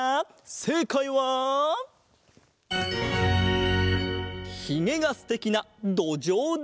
せいかいはひげがすてきなどじょうだ！